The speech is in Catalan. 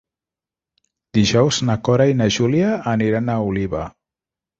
Dijous na Cora i na Júlia aniran a Oliva.